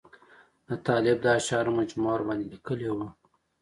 د طالب د اشعارو مجموعه ورباندې لیکلې وه.